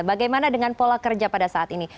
bagaimana dengan pola kerja pada saat ini